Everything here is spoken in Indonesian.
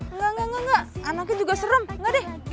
enggak enggak enggak anaknya juga serem enggak deh